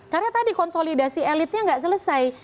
karena tadi konsolidasi elitnya nggak selesai